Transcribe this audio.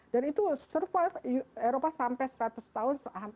dan itu survive eropa sampai seratus tahun